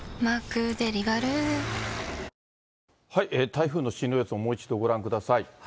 台風の進路予想、もう一度ご覧ください。